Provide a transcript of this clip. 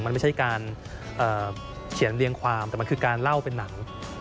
มันไม่ใช่การเขียนเรียงความแต่มันคือการเล่าเป็นหนัง